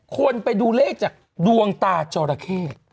คนไปดูเลขจากดวงตาจอราเข้